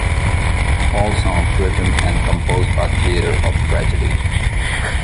All songs written and composed by Theatre of Tragedy.